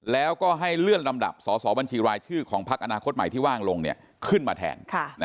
แล้วก็ให้เลื่อนลำดับสอสอบัญชีรายชื่อของพักอนาคตใหม่ที่ว่างลงขึ้นมาแทน